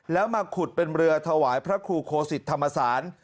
แล้วมาขุดเป็นเรือถวายพระครูโคสิตธรรมศาล